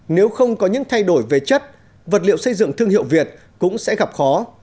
nếu không có những thay đổi về chất vật liệu xây dựng thương hiệu việt cũng sẽ gặp khó